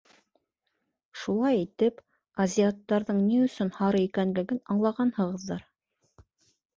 Шулай итеп, азиаттарҙың ни өсөн һары икәнлеген аңлағанһығыҙҙыр...